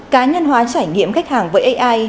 cá nhân hóa trải nghiệm khách hàng với ai